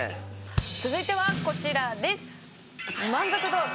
続いてはこちらです。